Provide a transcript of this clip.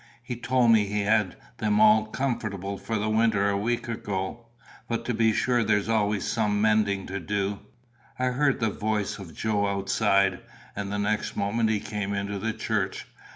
He tould me he had them all comforble for the winter a week ago. But to be sure there's always some mendin' to do." I heard the voice of Joe outside, and the next moment he came into the church.